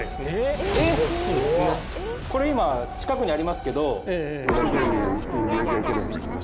これ今近くにありますけど。